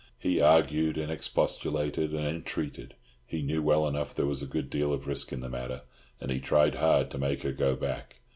He argued and expostulated and entreated. He knew well enough there was a good deal of risk in the matter, and he tried hard to make her go back.